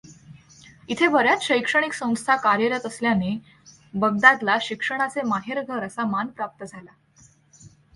इथे बऱ्याच शैक्षणिक संस्था कार्यरत असल्याने बगदादला शिक्षणाचे माहेरघर असा मान प्राप्त झाला.